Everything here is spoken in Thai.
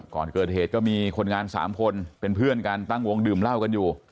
ก่อนเกิดเหตุก็มีคนงาน๓คนเป็นเพื่อนกันตั้งวงดื่มเหล้ากันอยู่